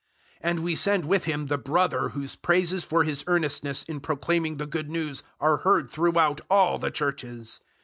008:018 And we send with him the brother whose praises for his earnestness in proclaiming the Good News are heard throughout all the Churches.